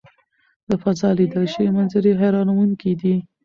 له فضا لیدل شوي منظرې حیرانوونکې دي.